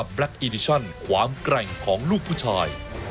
ชูวิตตีแสงหน้า